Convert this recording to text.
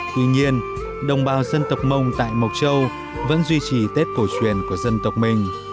tuy nhiên đồng bào dân tộc mông tại mộc châu vẫn duy trì tết cổ truyền của dân tộc mình